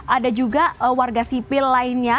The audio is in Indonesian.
ada juga warga sipil lainnya